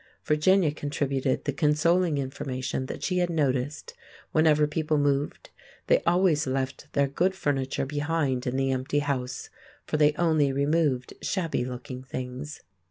Virginia contributed the consoling information that she had noticed, whenever people moved, they always left their good furniture behind in the empty house, for they only removed shabby looking things.